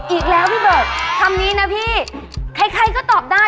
อีกแล้วพี่เบิร์ตคำนี้นะพี่ใครก็ตอบได้